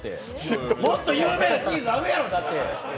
もっと有名なチーズあるやろだって！